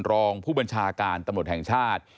รองผู้บัญชาการตำรวจแห่งชาติ